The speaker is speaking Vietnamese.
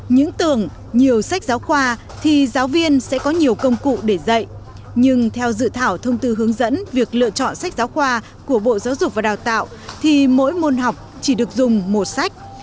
những tường nhiều sách giáo khoa thì giáo viên sẽ có nhiều công cụ để dạy nhưng theo dự thảo thông tư hướng dẫn việc lựa chọn sách giáo khoa của bộ giáo dục và đào tạo thì mỗi môn học chỉ được dùng một sách